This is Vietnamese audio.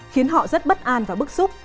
khiến họ rất bất an và bức xúc